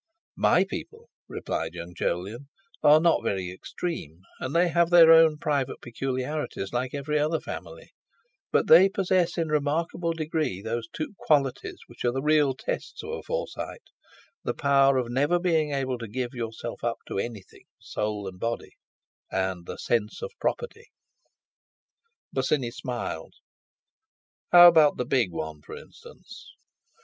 "My people," replied young Jolyon, "are not very extreme, and they have their own private peculiarities, like every other family, but they possess in a remarkable degree those two qualities which are the real tests of a Forsyte—the power of never being able to give yourself up to anything soul and body, and the 'sense of property'." Bosinney smiled: "How about the big one, for instance?"